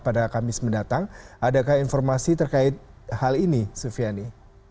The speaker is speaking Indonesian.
pada kamis mendatang adakah informasi terkait hal ini sufiani